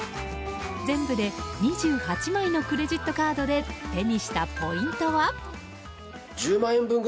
全部で２８枚のクレジットカードで手にしたポイントは。